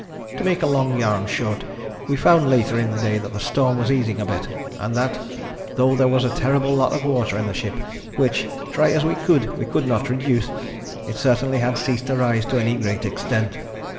"To make a long yarn short, we found later in the day that the storm was easing a bit and that though there was a terrible lot of water in the ship, which, try as we could, we could not reduce, it certainly had ceased to rise to any great extent.